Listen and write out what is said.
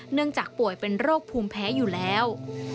เนื่องจากป่วยเป็นโรคภูมิแพ้อยู่แล้ว